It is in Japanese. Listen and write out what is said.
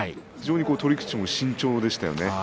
非常に取り口も慎重でしたよね。